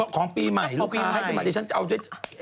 ของปีใหม่ลูกพี่มาให้จับฉลากเดี๋ยวฉันจะเอา